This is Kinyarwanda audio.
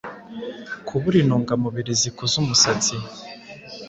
Kubura intungamubiri zikuza umusatsi